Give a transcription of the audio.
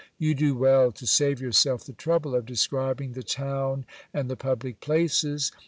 You do well to save yourself the trouble of describing the town and the public places.